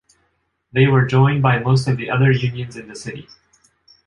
They were joined by most of the other unions in the city.